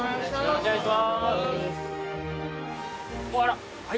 ・お願いします